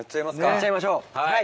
やっちゃいましょう。